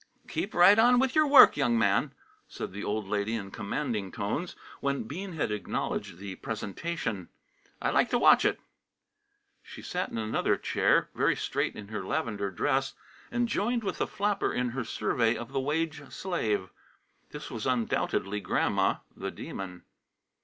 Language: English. "Keep right on with your work, young man," said the old lady in commanding tones, when Bean had acknowledged the presentation. "I like to watch it." She sat in another chair, very straight in her lavender dress, and joined with the flapper in her survey of the wage slave. This was undoubtedly Grandma, the Demon.